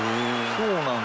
そうなんだよ。